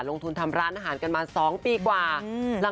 ลงทุนทำร้านอาหารกันมา๒ปีกว่า